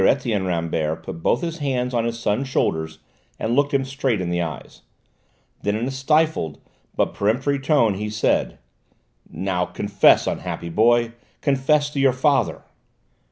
Etienne Rambert put both his hands on his son's shoulders and looked him straight in the eyes. Then in a stifled but peremptory tone he said: "Now confess, unhappy boy! Confess to your father!"